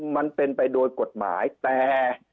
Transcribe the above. มันเป็นไปโดยกฎหมายแต่